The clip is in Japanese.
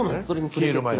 消える前に。